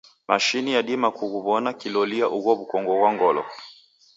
Mashini yadima kughuw'ona kilolia ugho w'ukongo ghwa ngolo.